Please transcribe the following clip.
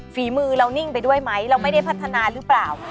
ฝีมือเรานิ่งไปด้วยไหมเราไม่ได้พัฒนาหรือเปล่า